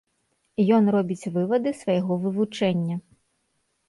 Ён робіць вывады свайго вывучэння.